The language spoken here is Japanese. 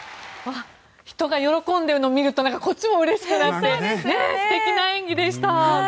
人が喜んでいるのを見るとなんかこっちもうれしくなって素敵な演技でした。